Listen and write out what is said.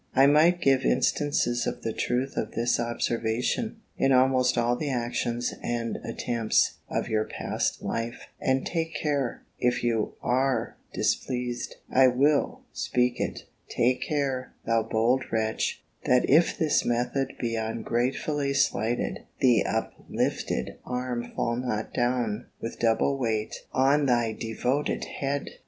I might give instances of the truth of this observation, in almost all the actions and attempts of your past life; and take care (if you are displeased, I will speak it), take care, thou bold wretch, that if this method be ungratefully slighted, the uplifted arm fall not down with double weight on thy devoted head!